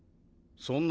そんな